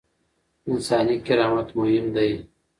انساني کرامت مهم دی.